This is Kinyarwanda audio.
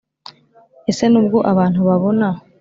ese nubwo abantu babona,